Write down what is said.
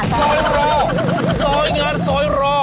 ซอยรอซอยงานซอยรอ